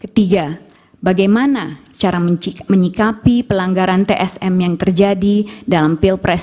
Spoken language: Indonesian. ketiga bagaimana cara menyikapi pelanggaran tsm yang terjadi dalam pilpres dua ribu sembilan belas